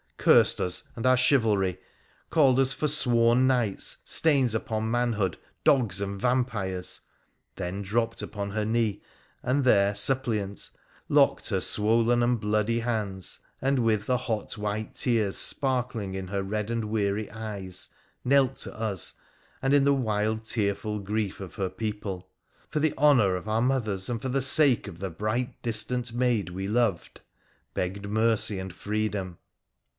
Cursed us and our chivalry, called us forsworn knights, stains upon manhood, dogs and vampires !— then dropped upon her knee, and there suppliant, locked her swollen and bloody hands, and, with the hot white tears sparkling in her red and weary eyes, knelt to us, and in the wild tearful grief of her people, ' for the honour of our mothers, and for the sake of the bright distant maid we loved,' begged mercy and freedom.